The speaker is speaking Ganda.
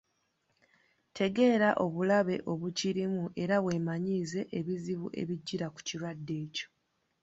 Tegeera obulabe obukirimu era weemanyiize ebizibu ebijjira ku kirwadde ekyo.